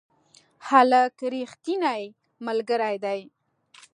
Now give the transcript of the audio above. هلک رښتینی ملګری دی.